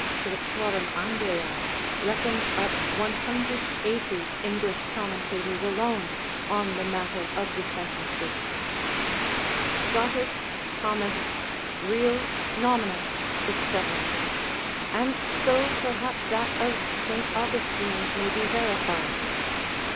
scriptorum Anglic. reckons up 180 English commentators alone, on the matter of the sentences), Scotists, Thomists, Reals, Nominals, &c., and so perhaps that of St. Austin may be verified.